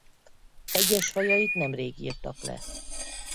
Egyes fajait nemrég írtak le.